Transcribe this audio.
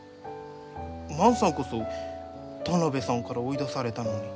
万さんこそ田邊さんから追い出されたのに。